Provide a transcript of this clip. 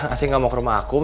acing gak mau ke rumah akum